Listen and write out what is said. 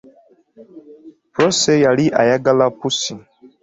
Prosy yali ayagala pussi.